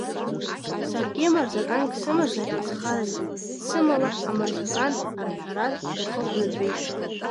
Саргьы марзаканк сымазар исхарази, сымала амарзакан арҳәара сгәахы ԥнаҵәеит.